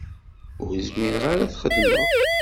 Ur zmireɣ ara ad t-xedmeɣ.